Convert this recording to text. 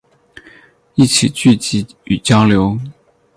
一起聚集与交流